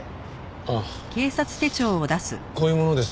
あっこういう者です。